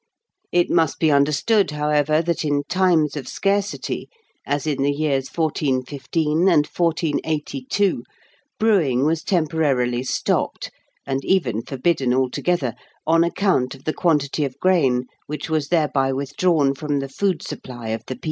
It must be understood, however, that in times of scarcity, as in the years 1415 and 1482, brewing was temporarily stopped, and even forbidden altogether, on account of the quantity of grain which was thereby withdrawn from the food supply of the people (Fig.